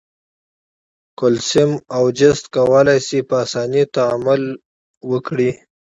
کلسیم او جست کولای شي په آساني تعامل وکړي.